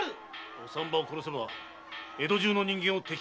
お産婆を殺せば江戸中の人間を敵に回しますぞ。